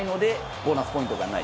ボーナスポイントじゃない。